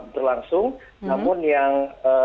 berlangsung namun yang